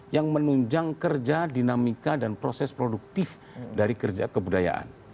yang menunjang kerja dinamika dan proses produktif dari kerja kebudayaan